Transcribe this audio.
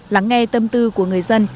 lắng nghe tâm tư của người dân